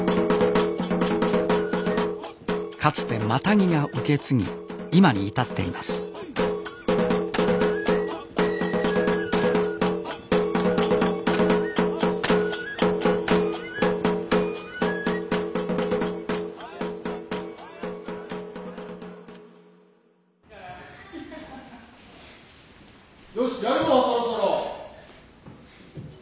かつてマタギが受け継ぎ今に至っていますよしやるぞそろそろ！